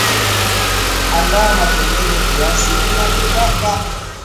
Andaa matembele kiasi unachotaka